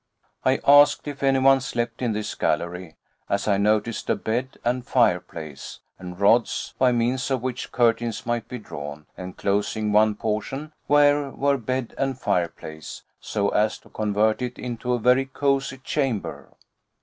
I asked if anyone slept in this gallery, as I noticed a bed, and fireplace, and rods, by means of which curtains might be drawn, enclosing one portion where were bed and fireplace, so as to convert it into a very cosy chamber.